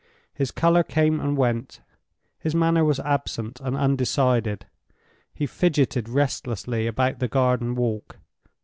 His color came and went; his manner was absent and undecided; he fidgeted restlessly about the garden walk.